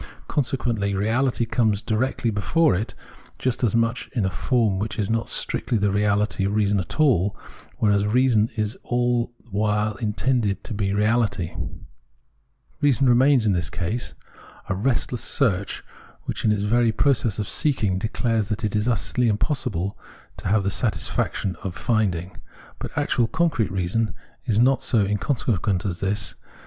Consequently reahty comes directly before it just as much in a form which is not strictly the reality of reason at all, whereas reason aU the while is intended to be all reahty. Reason remains, in this case, a restless * Cp. 'Wiss. d. Loijik, Pt. I, p. 253 S. t v. sup. p. 95 ff. 232 Phenomenology of Mind search, which in its very process of seeking declares that it is utterly impossible to have the satisfaction of finding. But actual concrete reason is not so inconse quent as this.